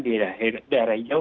di daerah hijau